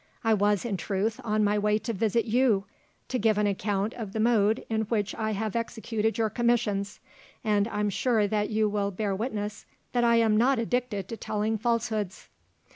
I was, in truth, on my way to visit you, to give an account of the mode in which I have executed your commissions, and I'm sure that you will bear witness that I am not addicted to telling falsehoods."